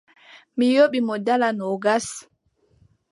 Mi yoɓi mo dala noogas.